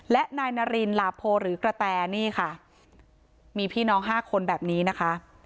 และนายนารินหลาโพหรือกระแตนี่ค่ะมีพี่น้องห้าคนแบบนี้นะคะ